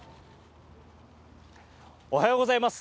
おはようございます！